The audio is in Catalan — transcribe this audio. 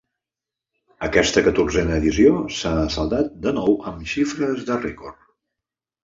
Aquesta catorzena edició s’ha saldat de nou amb xifres de rècord.